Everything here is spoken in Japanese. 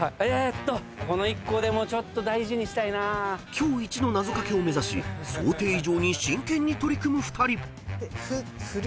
［今日イチのなぞかけを目指し想定以上に真剣に取り組む２人］振る。